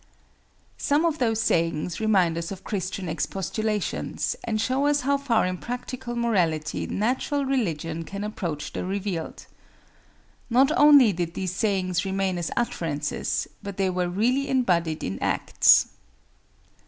Some of those sayings remind us of Christian expostulations and show us how far in practical morality natural religion can approach the revealed. Not only did these sayings remain as utterances, but they were really embodied in acts.